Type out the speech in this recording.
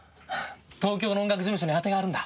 東京の音楽事務所に当てがあるんだ。